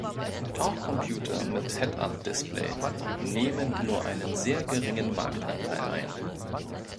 Tauchcomputer mit Head-up-Display nehmen nur einen sehr geringen Marktanteil ein.